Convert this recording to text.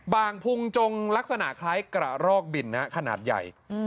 บางพุงจงลักษณะคล้ายกระรอกบินขนาดใหญ่